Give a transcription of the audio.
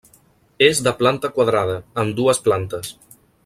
És de planta quadrada, amb dues plantes.